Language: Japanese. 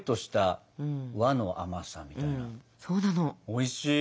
おいしい！